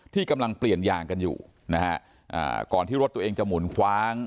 ที่กำลังเปลี่ยนยางกันอยู่นะฮะอ่าก่อนที่รถตัวเองจะหมุนคว้าง